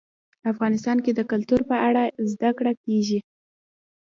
افغانستان کې د کلتور په اړه زده کړه کېږي.